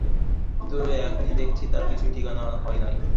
কিন্তু এখনও দেখছি তার কিছুই ঠিকানা হয় নাই।